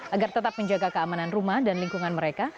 agar tetap menjaga keamanan rumah dan lingkungan mereka